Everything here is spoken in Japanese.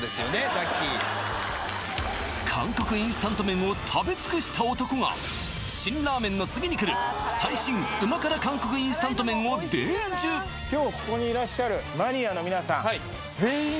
さっき韓国インスタント麺を食べ尽くした男が辛ラーメンの次にくる最新旨辛韓国インスタント麺を伝授と評価しております